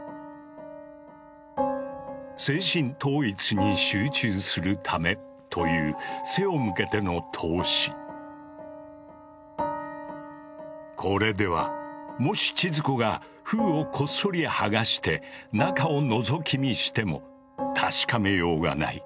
精神統一に集中するためというこれではもし千鶴子が封をこっそり剥がして中をのぞき見しても確かめようがない。